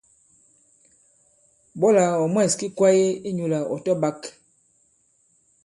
Ɓɔlà ɔ̀ mwɛ̂s ki kwāye inyūlà ɔ̀ tɔ-ɓāk.